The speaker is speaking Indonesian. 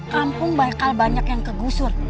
kampung bakal banyak yang kegusur